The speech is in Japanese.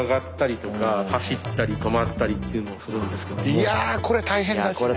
いやこれ大変ですね。